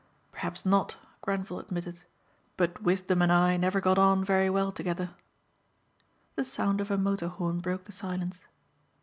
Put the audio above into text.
"Perhaps not," Grenvil admitted, "but wisdom and I never got on very well together." The sound of a motor horn broke the silence.